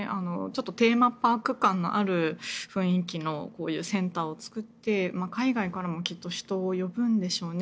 テーマパーク感のある雰囲気のセンターを作って海外からもきっと人を呼ぶんでしょうね。